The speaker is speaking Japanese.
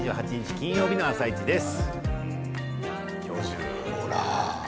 金曜日の「あさイチ」です。